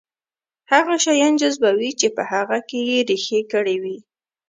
هغه شيان جذبوي چې په هغه کې يې رېښې کړې وي.